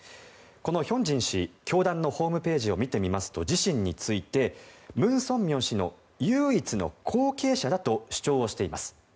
この亨進氏教団のホームページを見てみますと自身について文鮮明氏の唯一の後継者だと主張をしています。